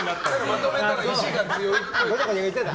まとめたら意思が強いっぽい。